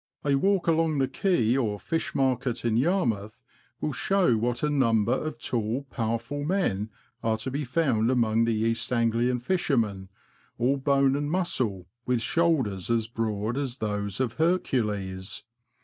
A walk along the quay or fish market in Yarmouth will show what a number of tall, powerful men are to be found among the East Anglian fishermen — all bone and muscle, with shoulders as broad as those of Hercules.